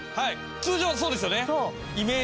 通常そうですよね。